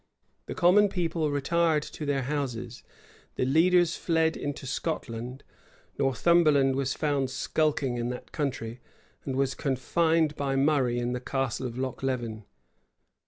The common people retired to their houses: the leaders fled into Scotland. Northumberland was found skulking in that country, and was confined by Murray in the Castle of Lochlevin.